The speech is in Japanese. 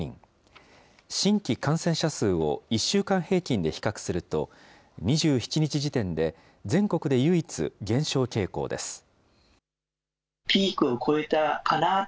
新規感染者数を１週間平均で比較すると、２７日時点で全国で唯一、減少傾向です。